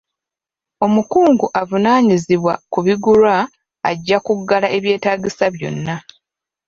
Omukungu avunaanyizibwa ku bigulwa ajja kugala ebyetaagisa byonna.